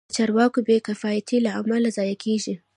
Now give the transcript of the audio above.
د چارواکو بې کفایتۍ له امله ضایع کېږي.